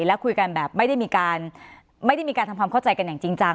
แล้วคุยกันแบบไม่ได้มีการทำความเข้าใจกันอย่างจริงจัง